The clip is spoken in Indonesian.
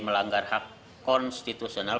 melanggar hak konstitusional